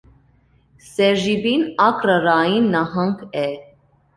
Սերժիպին ագրարային նահանգ է։